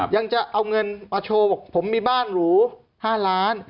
ยังจะเอาเงินมาโชว์บอกผมมีบ้านหรู๕ล้าน